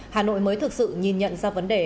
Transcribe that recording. hà nội mới thực sự nhìn nhận ra vấn đề